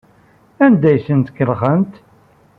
Anda ay asent-tkellxemt?